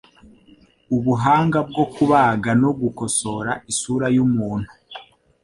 ubuhanga bwo kubaga no gukosora isura y'umuntu